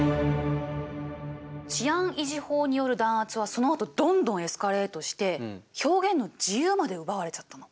治安維持法による弾圧はそのあとどんどんエスカレートして表現の自由まで奪われちゃったの。